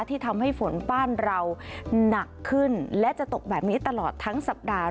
ที่ทำให้ฝนบ้านเราหนักขึ้นและจะตกแบบนี้ตลอดทั้งสัปดาห์